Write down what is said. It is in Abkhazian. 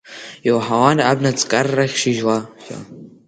Иуаҳауан абна ҵкаррахьтә шьыжьла.